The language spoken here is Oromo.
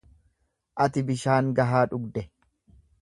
Ati bishaan gahaa dhugde?